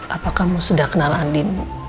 apakah kamu sudah kenal andi